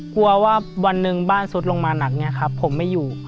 กลัวว่าวันหนึ่งบ้านสุดลงมาหนักผมไม่อยู่